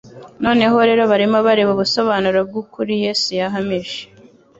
Noneho rero barimo bareba ubusobanuro bw'ukuri Yesu yahamije: